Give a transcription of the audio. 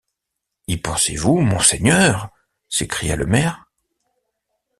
Y pensez-vous, monseigneur? s’écria le maire.